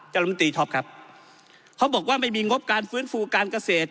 กรรมตรีท็อปครับเขาบอกว่าไม่มีงบการฟื้นฟูการเกษตร